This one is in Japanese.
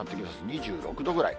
２６度ぐらい。